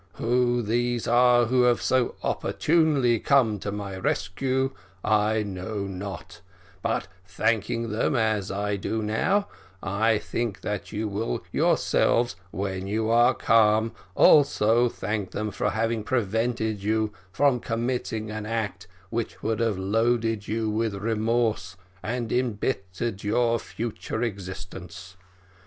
Who these are that have so opportunely come to my rescue, I know not, but thanking them as I do now, I think that you will yourselves, when you are calm, also thank them for having prevented you from committing an act which would have loaded you with remorse and embittered your future existence.